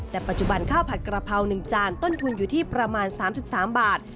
แต่ปัจจุบันข้าวผัดกระเพรา๑จานต้นทุนอยู่ที่ประมาณ๓๓บาท